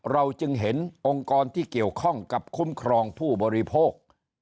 เราจึงเห็นองค์กรที่เกี่ยวข้องกับคุ้มครองผู้บริโภค